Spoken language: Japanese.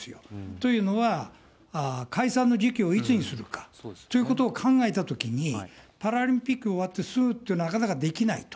というのは、解散の時期をいつにするかということを考えたときに、パラリンピック終わってすぐって、なかなかできないと。